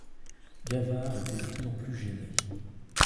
Gavard était de plus en plus gêné.